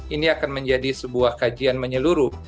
ini akan menjadi sebuah kajian menyeluruh